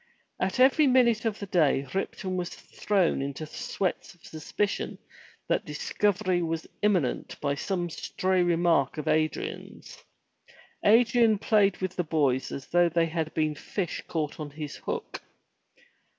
At every minute of the day Ripton was thrown into sweats of suspicion that discovery was imminent by some stray remark of Adrian*s. Adrian played with the boys as though they had been fish caught on his hook.